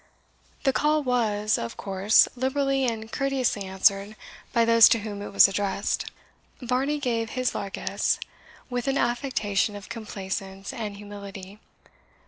The call was, of course, liberally and courteously answered by those to whom it was addressed. Varney gave his largesse with an affectation of complaisance and humility.